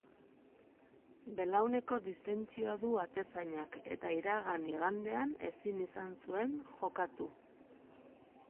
Belauneko distentsioa du atezainak eta iragan igandean ezin izan zuen jokatu.